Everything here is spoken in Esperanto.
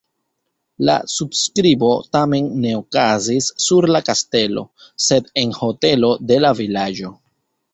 La subskribo tamen ne okazis sur la kastelo, sed en hotelo de la vilaĝo.